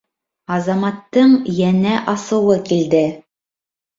Азаматтың йәнә асыуы килде: